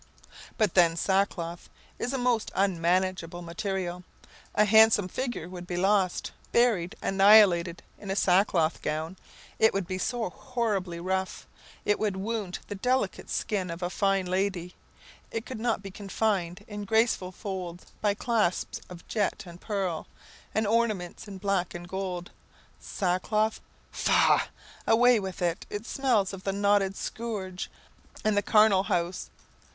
But, then, sackcloth is a most unmanageable material. A handsome figure would be lost, buried, annihilated, in a sackcloth gown; it would be so horribly rough; it would wound the delicate skin of a fine lady; it could not be confined in graceful folds by clasps of jet, and pearl, and ornaments in black and gold. "Sackcloth? Faugh! away with it. It smells of the knotted scourge and the charnel house."